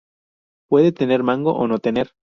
Puede tener mango o no tener.